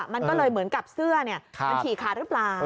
มันก็เลยเหมือนกับเสื้อมันฉี่ขาดหรือเปล่า